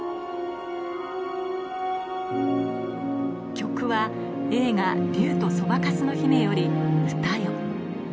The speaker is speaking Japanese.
曲は映画『竜とそばかすの姫』より『歌よ』